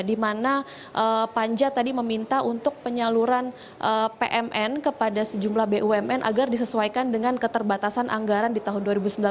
di mana panja tadi meminta untuk penyaluran pmn kepada sejumlah bumn agar disesuaikan dengan keterbatasan anggaran di tahun dua ribu sembilan belas